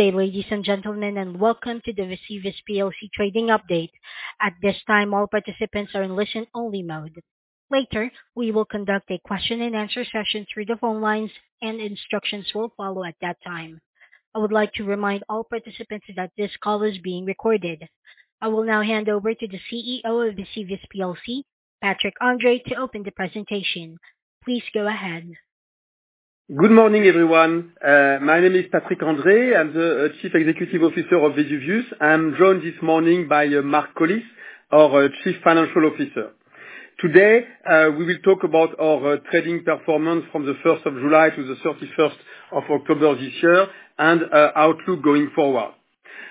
Good day, ladies and gentlemen, and welcome to the Vesuvius PLC trading update. At this time, all participants are in listen-only mode. Later, we will conduct a question-and-answer session through the phone lines, and instructions will follow at that time. I would like to remind all participants that this call is being recorded. I will now hand over to the CEO of Vesuvius PLC, Patrick André, to open the presentation. Please go ahead. Good morning, everyone. My name is Patrick André. I'm the Chief Executive Officer of Vesuvius. I'm joined this morning by Mark Collis, our Chief Financial Officer. Today, we will talk about our trading performance from the 1st of July to the 31st of October this year and outlook going forward.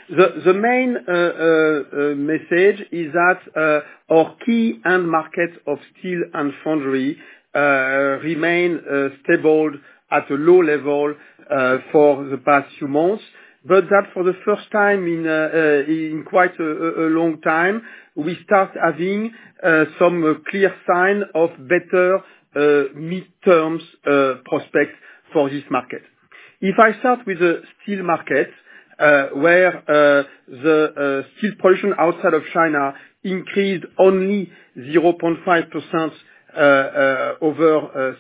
The main message is that our key end markets of steel and foundry remain stable at a low level for the past few months, but that for the first time in quite a long time, we start having some clear signs of better medium-term prospects for this market. If I start with the steel market, where the steel production outside of China increased only 0.5%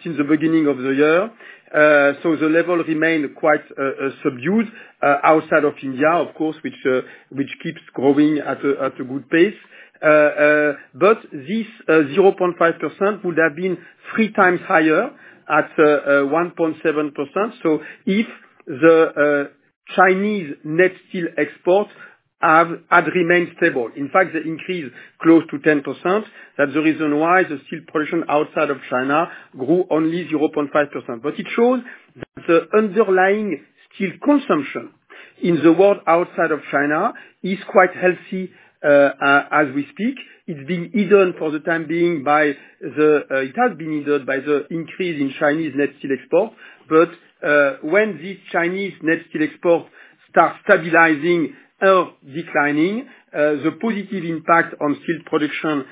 since the beginning of the year, so the level remained quite subdued outside of India, of course, which keeps growing at a good pace, but this 0.5% would have been three times higher, at 1.7%. So if the Chinese net steel exports had remained stable, in fact, they increased close to 10%. That's the reason why the steel production outside of China grew only 0.5%. But it shows that the underlying steel consumption in the world outside of China is quite healthy as we speak. It's been hidden for the time being by the increase in Chinese net steel exports. But when these Chinese net steel exports start stabilizing or declining, the positive impact on steel production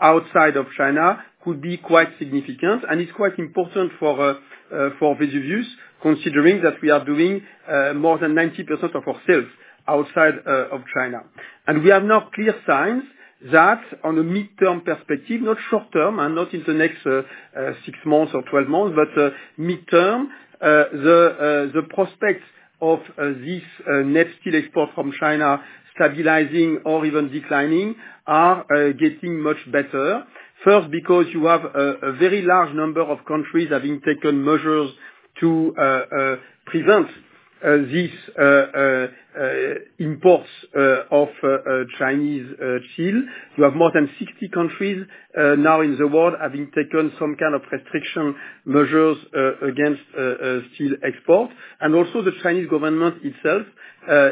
outside of China could be quite significant. And it's quite important for Vesuvius, considering that we are doing more than 90% of our sales outside of China. And we have now clear signs that on a midterm perspective, not short term, not in the next six months or 12 months, but midterm, the prospects of this net steel export from China stabilizing or even declining are getting much better. First, because you have a very large number of countries having taken measures to prevent these imports of Chinese steel. You have more than 60 countries now in the world having taken some kind of restriction measures against steel exports. And also, the Chinese government itself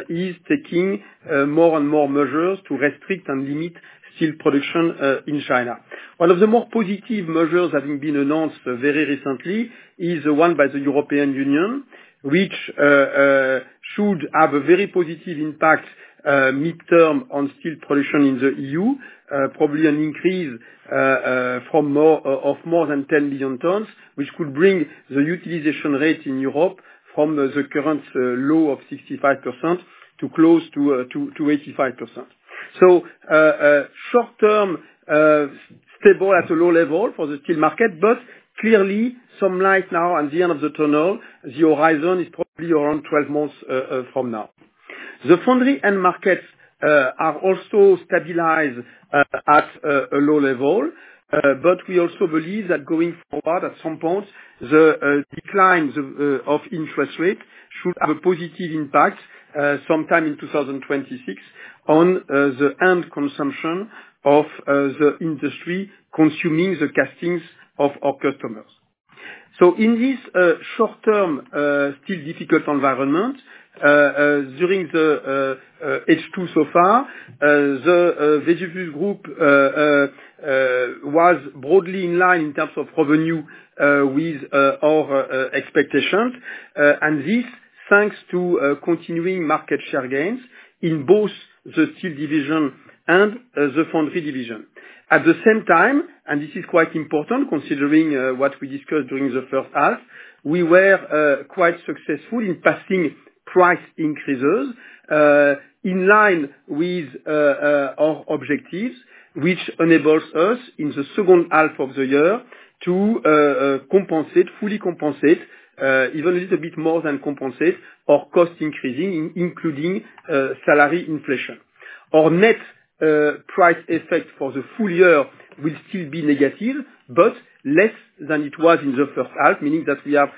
is taking more and more measures to restrict and limit steel production in China. One of the more positive measures having been announced very recently is the one by the European Union, which should have a very positive impact midterm on steel production in the EU, probably an increase of more than 10 million tons, which could bring the utilization rate in Europe from the current low of 65% to close to 85%. So short-term, stable at a low level for the steel market, but clearly, some light now at the end of the tunnel. The horizon is probably around 12 months from now. The foundry end markets are also stabilized at a low level, but we also believe that going forward at some point, the decline of interest rates should have a positive impact sometime in 2026 on the end consumption of the industry consuming the castings of our customers. In this short-term steel difficult environment, during the H2 so far, the Vesuvius Group was broadly in line in terms of revenue with our expectations. This thanks to continuing market share gains in both the steel division and the foundry division. At the same time, and this is quite important considering what we discussed during the first half, we were quite successful in passing price increases in line with our objectives, which enables us in the second half of the year to compensate, fully compensate, even a little bit more than compensate our cost increasing, including salary inflation. Our net price effect for the full year will still be negative, but less than it was in the first half, meaning that we are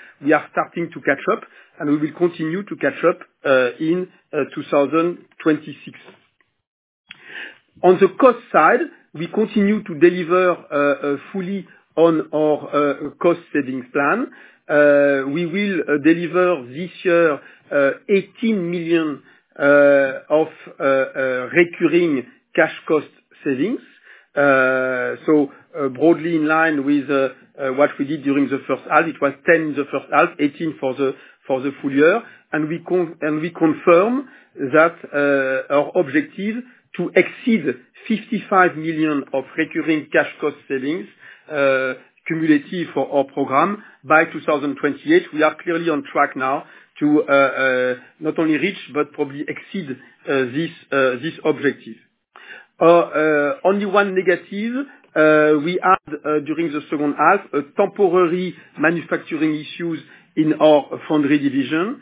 starting to catch up, and we will continue to catch up in 2026. On the cost side, we continue to deliver fully on our cost savings plan. We will deliver this year 18 million of recurring cash cost savings, so broadly in line with what we did during the first half. It was 10 in the first half, 18 for the full year, and we confirm that our objective to exceed 55 million of recurring cash cost savings cumulative for our program by 2028. We are clearly on track now to not only reach, but probably exceed this objective. Only one negative, we had during the second half temporary manufacturing issues in our foundry division,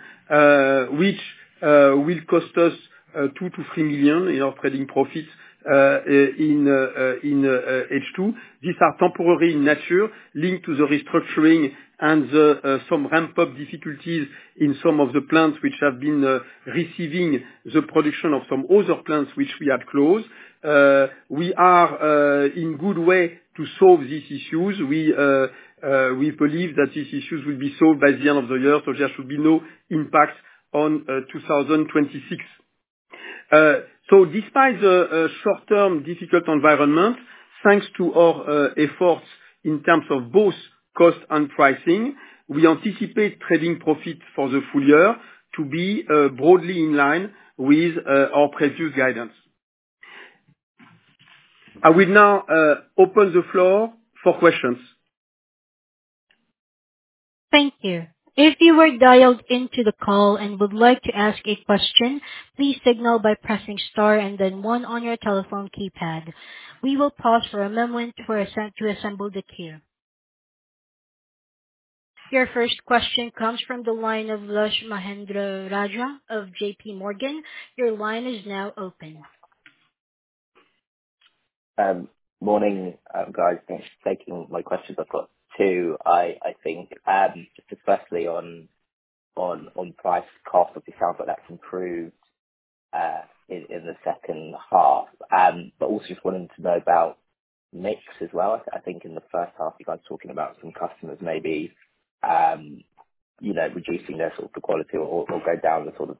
which will cost us 2 million-3 million in our trading profits in H2. These are temporary in nature, linked to the restructuring and some ramp-up difficulties in some of the plants which have been receiving the production of some older plants which we have closed. We are in a good way to solve these issues. We believe that these issues will be solved by the end of the year, so there should be no impact on 2026. So despite the short-term difficult environment, thanks to our efforts in terms of both cost and pricing, we anticipate trading profits for the full year to be broadly in line with our previous guidance. I will now open the floor for questions. Thank you. If you are dialed into the call and would like to ask a question, please signal by pressing star and then one on your telephone keypad. We will pause for a moment to assemble the queue. Your first question comes from the line of Raj Mahendra Rajah of JPMorgan. Your line is now open. Morning, guys. Thanks for taking my questions. I've got two, I think, just especially on price cost, which sounds like that's improved in the second half. But also just wanting to know about mix as well. I think in the first half, you guys were talking about some customers maybe reducing their sort of the quality or going down the sort of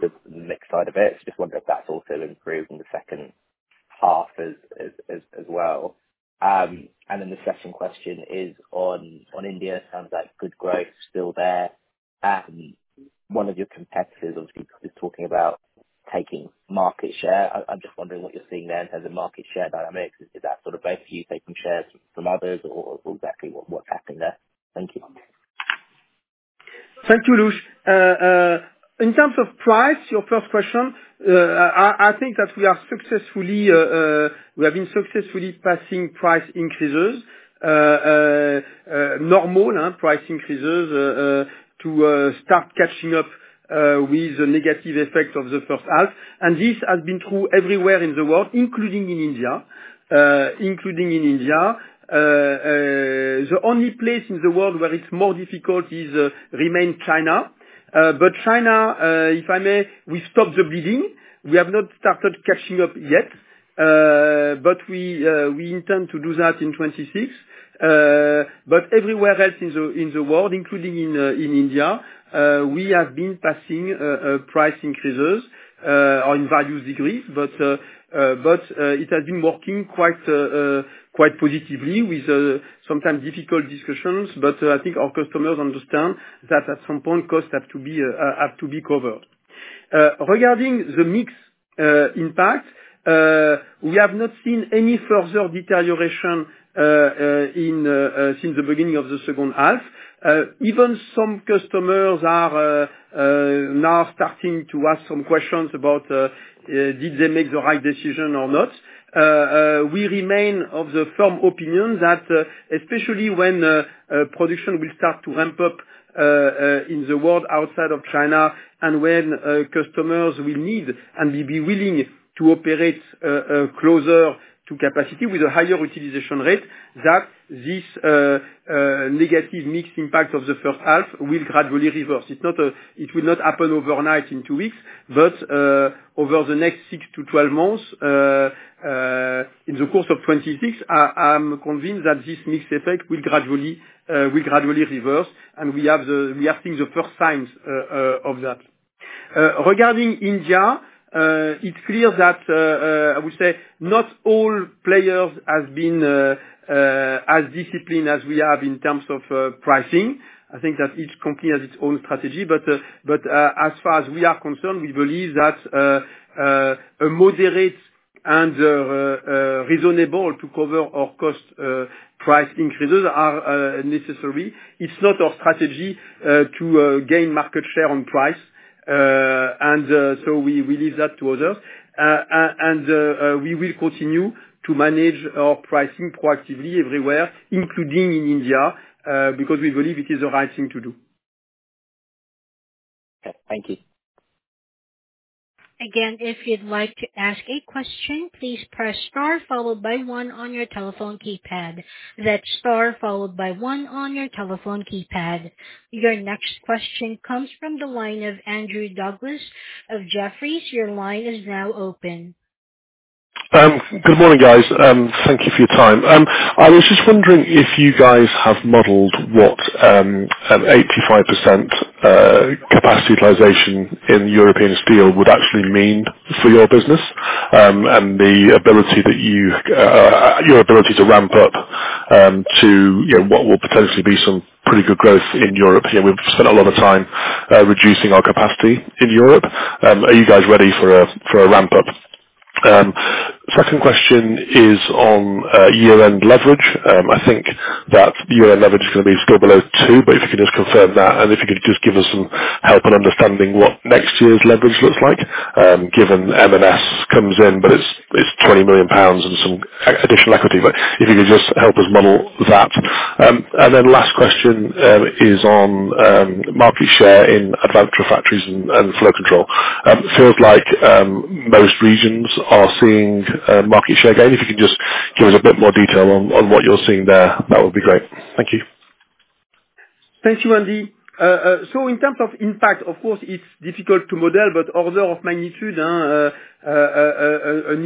the mix side of it. So just wondering if that's also improved in the second half as well. And then the second question is on India. Sounds like good growth still there. One of your competitors obviously is talking about taking market share. I'm just wondering what you're seeing there in terms of market share dynamics. Is that sort of both of you taking shares from others or exactly what's happening there? Thank you. Thank you, Raj. In terms of price, your first question, I think that we have been successfully passing price increases, normal price increases to start catching up with the negative effect of the first half, and this has been true everywhere in the world, including in India. The only place in the world where it's more difficult is in China. But China, if I may, we stopped the bleeding. We have not started catching up yet, but we intend to do that in 2026. Everywhere else in the world, including in India, we have been passing price increases in various degrees, but it has been working quite positively with sometimes difficult discussions. I think our customers understand that at some point, costs have to be covered. Regarding the mix impact, we have not seen any further deterioration since the beginning of the second half. Even some customers are now starting to ask some questions about did they make the right decision or not. We remain of the firm opinion that especially when production will start to ramp up in the world outside of China and when customers will need and be willing to operate closer to capacity with a higher utilization rate, that this negative mix impact of the first half will gradually reverse. It will not happen overnight in two weeks, but over the next six to 12 months in the course of 2026, I'm convinced that this mix effect will gradually reverse, and we are seeing the first signs of that. Regarding India, it's clear that I would say not all players have been as disciplined as we have in terms of pricing. I think that each company has its own strategy, but as far as we are concerned, we believe that a moderate and reasonable to cover our cost price increases are necessary. It's not our strategy to gain market share on price, and so we leave that to others, and we will continue to manage our pricing proactively everywhere, including in India, because we believe it is the right thing to do. Okay. Thank you. Again, if you'd like to ask a question, please press star followed by one on your telephone keypad. That's star followed by one on your telephone keypad. Your next question comes from the line of Andrew Douglas of Jefferies. Your line is now open. Good morning, guys. Thank you for your time. I was just wondering if you guys have modeled what 85% capacity utilization in European steel would actually mean for your business and the ability to ramp up to what will potentially be some pretty good growth in Europe. We've spent a lot of time reducing our capacity in Europe. Are you guys ready for a ramp-up? Second question is on year-end leverage. I think that year-end leverage is going to be still below two, but if you can just confirm that, and if you can just give us some help in understanding what next year's leverage looks like, given MMS comes in but it's 20 million pounds and some additional equity, but if you could just help us model that. And then last question is on market share in Advanced Refractories and Flow Control. Feels like most regions are seeing market share gain. If you can just give us a bit more detail on what you're seeing there, that would be great. Thank you. Thank you, Andy. So in terms of impact, of course, it's difficult to model, but order of magnitude, an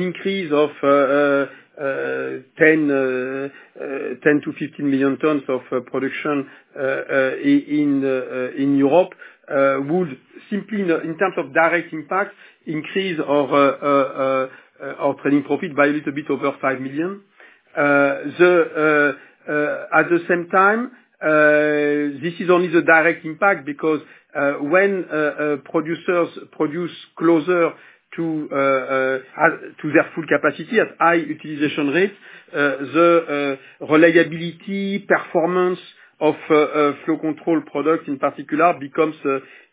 increase of 10-15 million tons of production in Europe would simply, in terms of direct impact, increase our trading profit by a little bit over 5 million. At the same time, this is only the direct impact because when producers produce closer to their full capacity at high utilization rates, the reliability performance of flow control products in particular becomes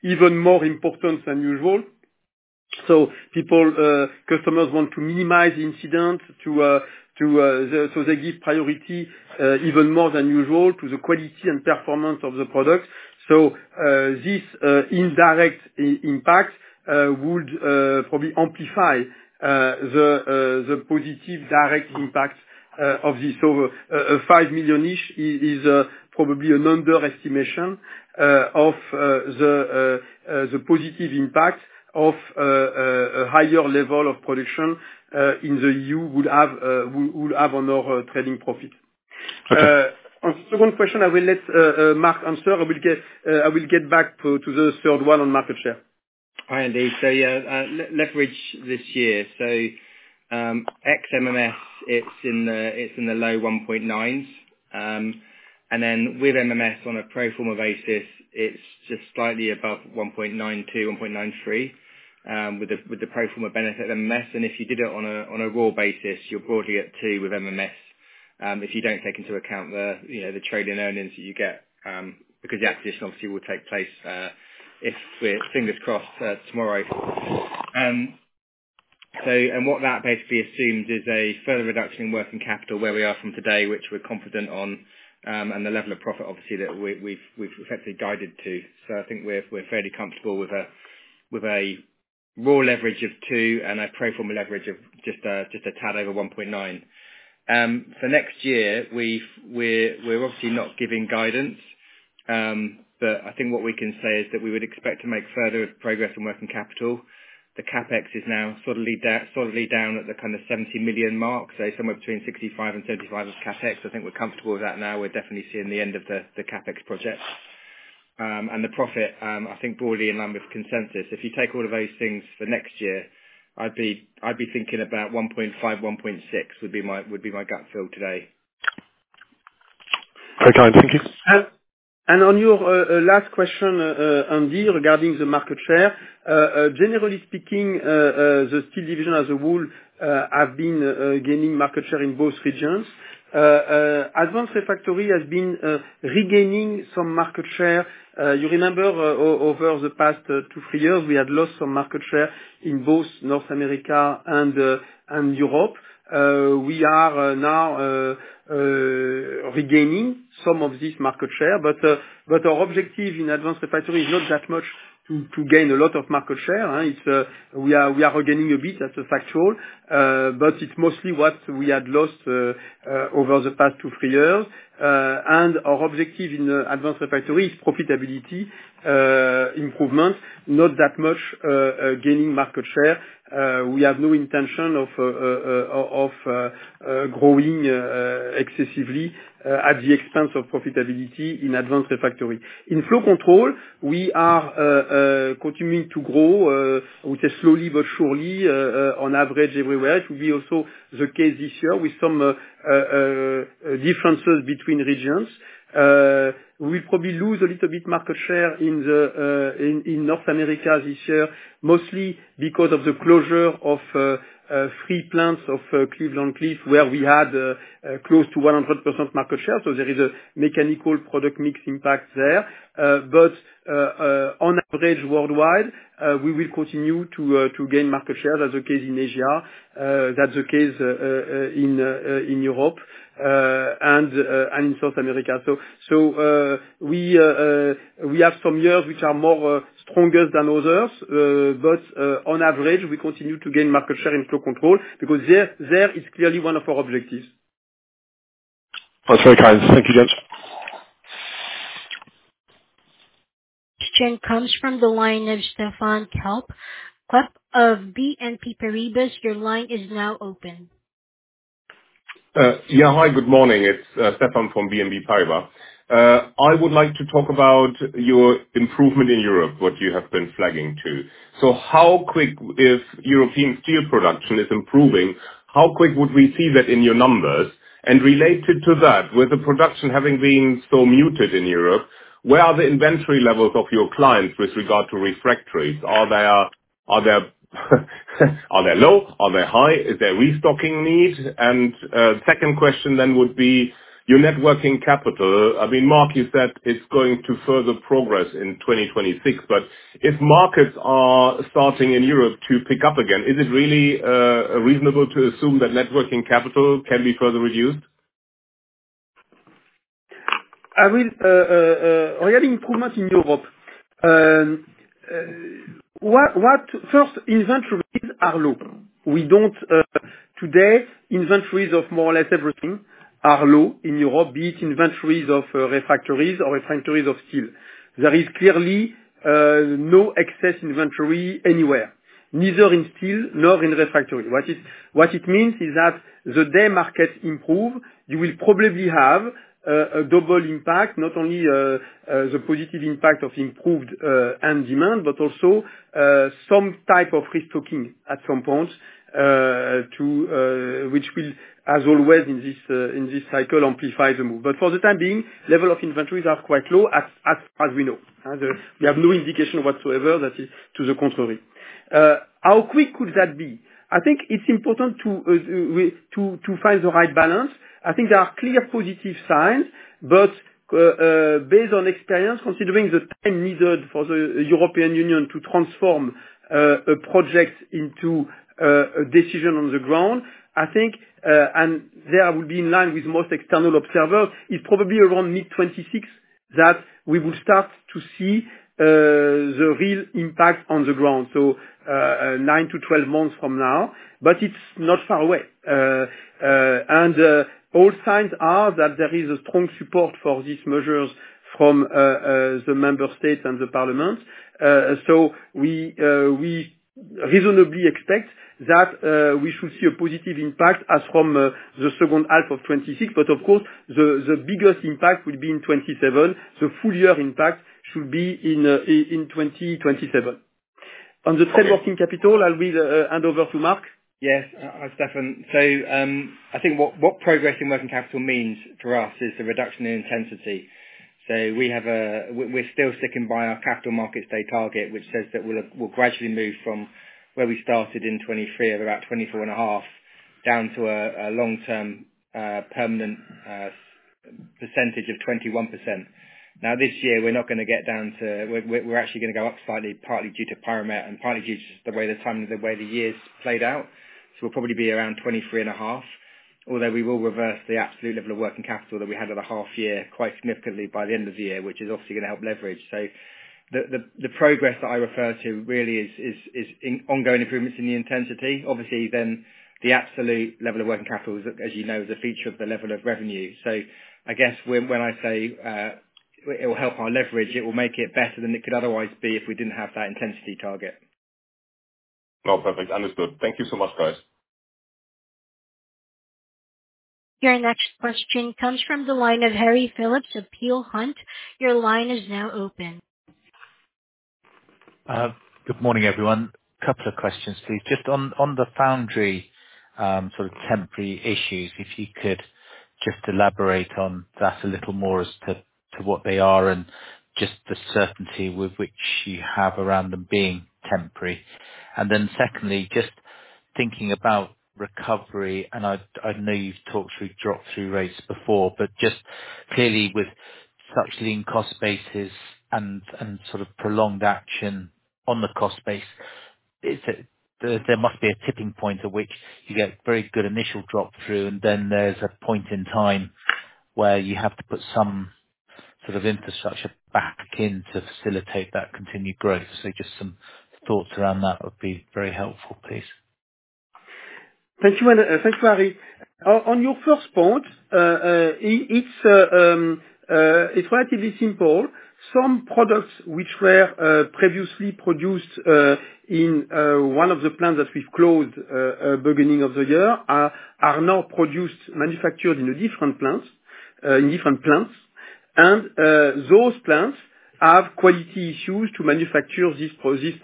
even more important than usual. So customers want to minimize incidents so they give priority even more than usual to the quality and performance of the products. So this indirect impact would probably amplify the positive direct impact of this. So a 5 million-ish is probably an underestimation of the positive impact of a higher level of production in the EU would have on our trading profit. On the second question, I will let Mark answer. I will get back to the third one on market share. All right, Andy. So leverage this year. So ex-MMS, it's in the low 1.9s. And then with MMS on a pro forma basis, it's just slightly above 1.92, 1.93 with the pro forma benefit of MMS. And if you did it on a raw basis, you're broadly at two with MMS if you don't take into account the trading earnings that you get because the acquisition obviously will take place if we're fingers crossed tomorrow. And what that basically assumes is a further reduction in working capital from where we are today, which we're confident on, and the level of profit obviously that we've effectively guided to. So I think we're fairly comfortable with a raw leverage of two and a pro forma leverage of just a tad over 1.9. For next year, we're obviously not giving guidance, but I think what we can say is that we would expect to make further progress in working capital. The CapEx is now solidly down at the kind of 70 million mark, so somewhere between 65 million and 75 million of CapEx. I think we're comfortable with that now. We're definitely seeing the end of the CapEx project, and the profit, I think broadly in line with consensus, if you take all of those things for next year, I'd be thinking about 1.5, 1.6 would be my gut feel today. Okay, thank you. On your last question, Andy, regarding the market share, generally speaking, the steel division as a whole has been gaining market share in both regions. Advanced Refractories has been regaining some market share. You remember over the past two, three years, we had lost some market share in both North America and Europe. We are now regaining some of this market share, but our objective in Advanced Refractories is not that much to gain a lot of market share. We are regaining a bit, in fact, but it's mostly what we had lost over the past two, three years. Our objective in Advanced Refractories is profitability improvement, not that much gaining market share. We have no intention of growing excessively at the expense of profitability in Advanced Refractories. In Flow Control, we are continuing to grow, which is slowly but surely on average everywhere. It will be also the case this year with some differences between regions. We'll probably lose a little bit market share in North America this year, mostly because of the closure of three plants of Cleveland-Cliffs where we had close to 100% market share, so there is a mechanical product mix impact there, but on average worldwide, we will continue to gain market share. That's the case in Asia. That's the case in Europe and in South America, so we have some years which are more stronger than others, but on average, we continue to gain market share in flow control because there is clearly one of our objectives. That's very kind. Thank you, gents. This call comes from the line of Stephan Klepp, analyst at BNP Paribas. Your line is now open. Yeah, hi, good morning. It's Stephan from BNP Paribas. I would like to talk about your improvement in Europe, what you have been flagging to. So how quick, if European steel production is improving, how quick would we see that in your numbers? And related to that, with the production having been so muted in Europe, where are the inventory levels of your clients with regard to refractories? Are they low? Are they high? Is there restocking need? And the second question then would be your net working capital. I mean, Mark, you said it's going to further progress in 2026, but if markets are starting in Europe to pick up again, is it really reasonable to assume that net working capital can be further reduced? I mean, we have improvements in Europe. First, inventories are low. Today, inventories of more or less everything are low in Europe, be it inventories of refractories or refractories of steel. There is clearly no excess inventory anywhere, neither in steel nor in refractory. What it means is that the day markets improve, you will probably have a double impact, not only the positive impact of improved demand, but also some type of restocking at some point, which will, as always in this cycle, amplify the move. But for the time being, level of inventories are quite low as far as we know. We have no indication whatsoever that is to the contrary. How quick could that be? I think it's important to find the right balance. I think there are clear positive signs, but based on experience, considering the time needed for the European Union to transform a project into a decision on the ground, I think, and there I will be in line with most external observers, it's probably around mid-2026 that we will start to see the real impact on the ground, so nine to 12 months from now, but it's not far away, and all signs are that there is a strong support for these measures from the member states and the parliaments, so we reasonably expect that we should see a positive impact as from the second half of 2026, but of course, the biggest impact would be in 2027. The full year impact should be in 2027. On the trade working capital, I will hand over to Mark. Yes, Stephan. So I think what progress in working capital means for us is the reduction in intensity. So we're still sticking by our capital markets day target, which says that we'll gradually move from where we started in 2023 of about 24.5% down to a long-term permanent percentage of 21%. Now, this year, we're not going to get down to, we're actually going to go up slightly, partly due to perimeter and partly due to the way the years played out. So we'll probably be around 23.5%, although we will reverse the absolute level of working capital that we had at a half year quite significantly by the end of the year, which is obviously going to help leverage. So the progress that I refer to really is ongoing improvements in the intensity. Obviously, then the absolute level of working capital, as you know, is a feature of the level of revenue. So I guess when I say it will help our leverage, it will make it better than it could otherwise be if we didn't have that intensity target. Oh, perfect. Understood. Thank you so much, guys. Your next question comes from the line of Harry Philips of Peel Hunt. Your line is now open. Good morning, everyone. A couple of questions, please. Just on the foundry sort of temporary issues, if you could just elaborate on that a little more as to what they are and just the certainty with which you have around them being temporary? And then secondly, just thinking about recovery, and I know you've talked through drop-through rates before, but just clearly with such lean cost bases and sort of prolonged action on the cost base, there must be a tipping point at which you get very good initial drop-through, and then there's a point in time where you have to put some sort of infrastructure back in to facilitate that continued growth. So just some thoughts around that would be very helpful, please. Thank you, Harry. On your first point, it's relatively simple. Some products which were previously produced in one of the plants that we've closed at the beginning of the year are now manufactured in different plants, and those plants have quality issues to manufacture these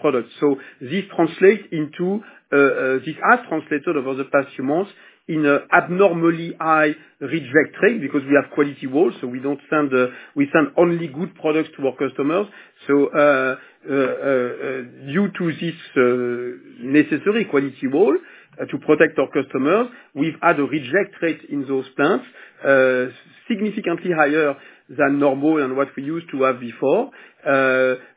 products. So this translates into, this has translated over the past few months in abnormally high reject rate because we have quality walls, so we send only good products to our customers. So due to this necessary quality wall to protect our customers, we've had a reject rate in those plants significantly higher than normal, what we used to have before.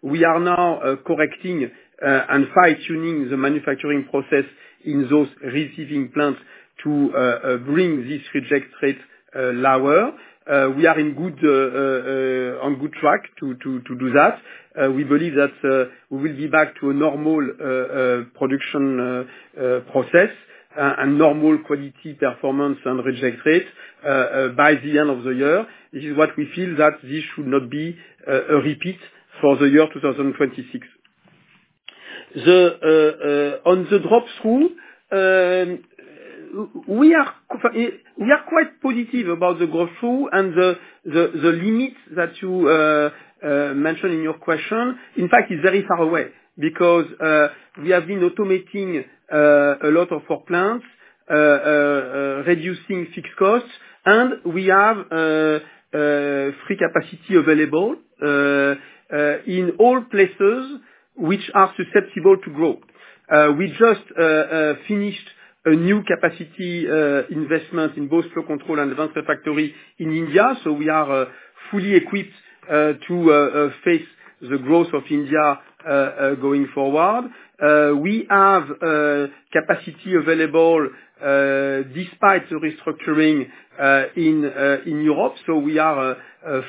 We are now correcting and fine-tuning the manufacturing process in those receiving plants to bring this reject rate lower. We are on good track to do that. We believe that we will be back to a normal production process and normal quality performance and reject rate by the end of the year. This is what we feel that this should not be a repeat for the year 2026. On the drop-through, we are quite positive about the drop-through, and the limit that you mentioned in your question, in fact, is very far away because we have been automating a lot of our plants, reducing fixed costs, and we have free capacity available in all places which are susceptible to growth. We just finished a new capacity investment in both flow control and advanced refractories in India, so we are fully equipped to face the growth of India going forward. We have capacity available despite the restructuring in Europe, so we are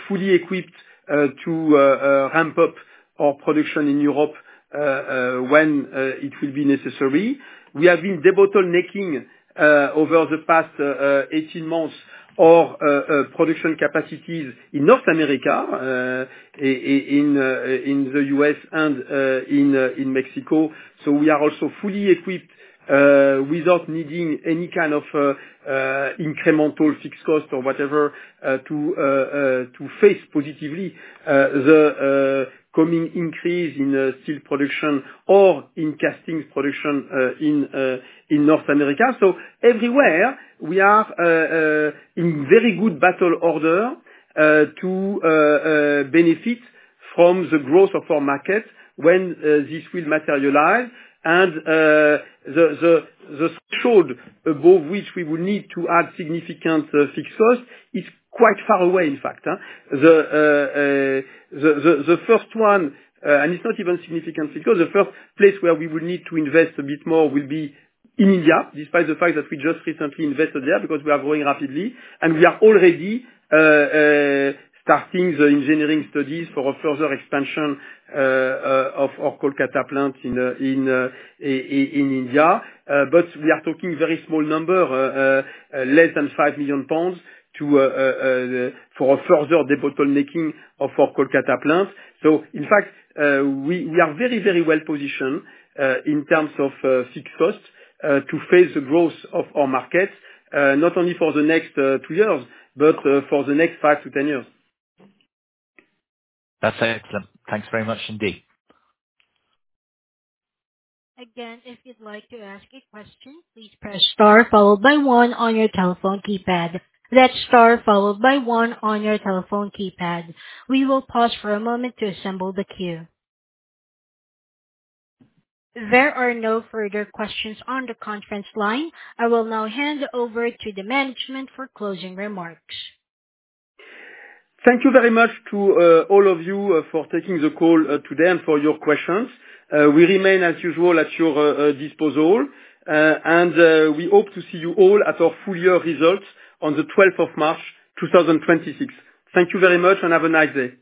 fully equipped to ramp up our production in Europe when it will be necessary. We have been debottlenecking over the past 18 months our production capacities in North America and in the U.S. and in Mexico. So we are also fully equipped without needing any kind of incremental fixed cost or whatever to face positively the coming increase in steel production or in castings production in North America. So everywhere, we are in very good battle order to benefit from the growth of our market when this will materialize. And the threshold above which we will need to add significant fixed costs is quite far away, in fact. The first one, and it's not even significant fixed cost, the first place where we will need to invest a bit more will be in India, despite the fact that we just recently invested there because we are growing rapidly, and we are already starting the engineering studies for a further expansion of our Kolkata plants in India. But we are talking very small number, less than 5 million pounds for a further debottlenecking of our Kolkata plants. So in fact, we are very, very well positioned in terms of fixed costs to face the growth of our markets, not only for the next two years, but for the next 5 to 10 years. That's excellent. Thanks very much indeed. Again, if you'd like to ask a question, please press star followed by one on your telephone keypad. That's star followed by one on your telephone keypad. We will pause for a moment to assemble the queue. There are no further questions on the conference line. I will now hand over to the management for closing remarks. Thank you very much to all of you for taking the call today and for your questions. We remain, as usual, at your disposal, and we hope to see you all at our full year results on the 12th of March, 2026. Thank you very much and have a nice day.